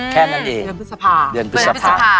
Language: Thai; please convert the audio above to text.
แค่นั้นเองเดือนพฤษภา